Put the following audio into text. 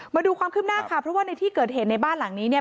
มาดูความคืบหน้าค่ะเพราะว่าในที่เกิดเหตุในบ้านหลังนี้เนี่ย